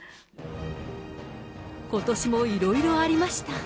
ことしもいろいろありました。